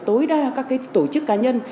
tối đa các tổ chức cá nhân